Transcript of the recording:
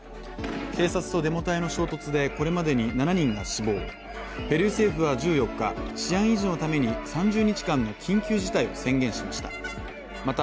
警察とデモ隊の衝突でこれまでに７人が死亡、ペルー政府は１４日、治安維持のために３０日間の緊急事態を宣言しました。